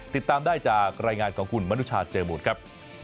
ติดตามได้จากรายงานของคุณมนุชาเจอมูลครับ